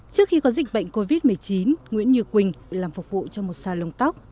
trước khi có dịch bệnh covid một mươi chín nguyễn như quỳnh làm phục vụ cho một salon tóc